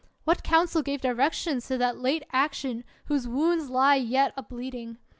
What council gave directions to that late action whose wounds lie yet a bleed ing.